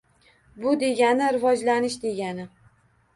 Bu degani – rivojlanish degani.